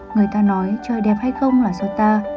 người ta nói chơi đẹp hay không là do ta